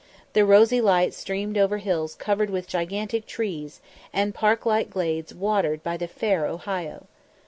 The rosy light streamed over hills covered with gigantic trees, and park like glades watered by the fair Ohio.